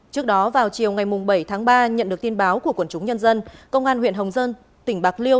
trước đó vào chiều ngày bảy tháng ba nhận được tin báo của quần chúng nhân dân công an huyện hồng dân tỉnh bạc liêu